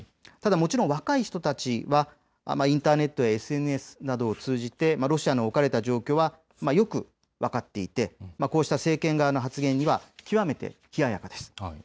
ただ、もちろん若い人たちはインターネットやＳＮＳなどを通じてロシアの置かれた状況はよく分かっていてこうした政権側の発言には、極めて冷ややかです。